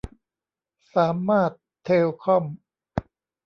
สามารถเทลคอม